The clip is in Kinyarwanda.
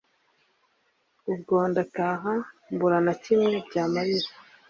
ubwo ndataha mbura na kimwe byamarira